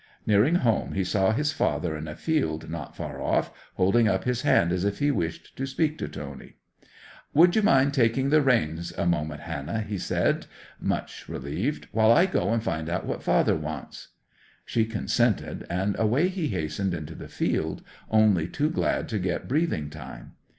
Nearing home he saw his father in a field not far off, holding up his hand as if he wished to speak to Tony. '"Would you mind taking the reins a moment, Hannah," he said, much relieved, "while I go and find out what father wants?" 'She consented, and away he hastened into the field, only too glad to get breathing time.